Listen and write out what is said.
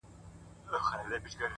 ساقي خراب تراب مي کړه نڅېږم به زه;